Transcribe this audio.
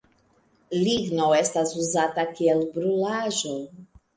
Ligno estas uzata kiel brulaĵo.